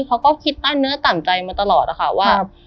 เขาก็คิดต้านเนื้อต่ำใจมาตลอดนะคะว่า